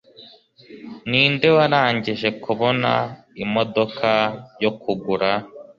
Ninde warangije kubona imodoka yo kugura?